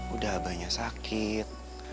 udah abahnya sakit